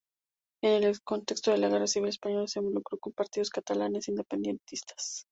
En el contexto de la Guerra civil española, se involucró con partidos catalanes independentistas.